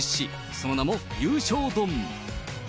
その名も、優勝丼。